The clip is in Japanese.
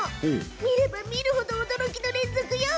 見れば見るほど驚きの連続よ！